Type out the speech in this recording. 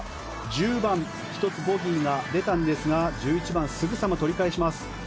１０番１つボギーが出たんですが１１番、すぐさま取り返します。